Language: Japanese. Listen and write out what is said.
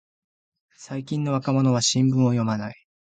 最近の若者は新聞を読まない